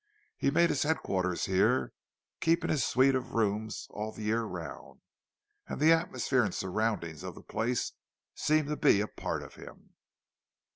He made his headquarters here, keeping his suite of rooms all the year round; and the atmosphere and surroundings of the place seemed to be a part of him.